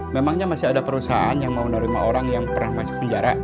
memangnya masih ada perusahaan yang mau menerima orang yang pernah masuk penjara